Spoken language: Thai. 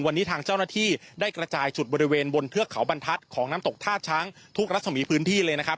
วันนี้ทางเจ้าหน้าที่ได้กระจายจุดบริเวณบนเทือกเขาบรรทัศน์ของน้ำตกท่าช้างทุกรัศมีพื้นที่เลยนะครับ